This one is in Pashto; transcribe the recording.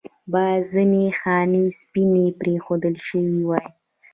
باید ځنې خانې سپینې پرېښودل شوې واې.